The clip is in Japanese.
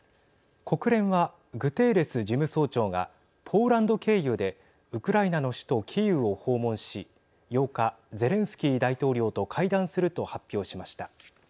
国連はグテーレス事務総長がポーランド経由でウクライナの首都キーウを訪問し８日ゼレンスキー大統領と会談すると発表しました。